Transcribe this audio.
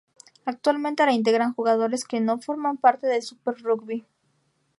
Actualmente la integran jugadores que no forman parte del Super Rugby.